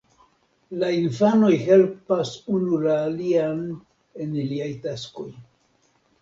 La infanoj helpas unu la alian en iliaj taskoj.